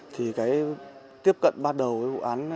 thì cái tiếp cận bắt đầu với vụ án